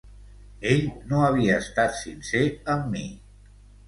Ell no havia estat sincer amb mi.